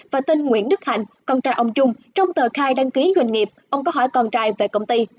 và tên nguyễn đức hạnh con trai ông trung trong tờ khai đăng ký doanh nghiệp ông có hỏi con trai về công ty